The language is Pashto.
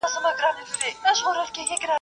د مسافر لالي د پاره.